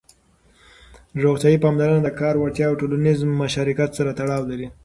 روغتيايي پاملرنه د کار وړتيا او ټولنيز مشارکت سره تړاو لري.